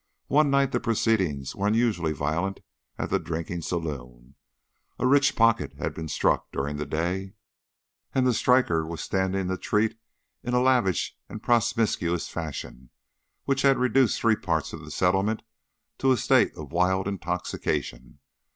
One night the proceedings were unusually violent at the drinking saloon. A rich pocket had been struck during the day, and the striker was standing treat in a lavish and promiscuous fashion which had reduced three parts of the settlement to a state of wild intoxication.